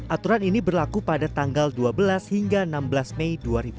aturan ini berlaku pada tanggal dua belas hingga enam belas mei dua ribu dua puluh